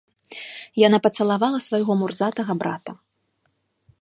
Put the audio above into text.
Яна пацалавала свайго мурзатага брата.